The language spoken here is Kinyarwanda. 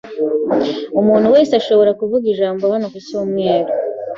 Umuntu wese ashobora kuvuga ijambo hano ku cyumweru.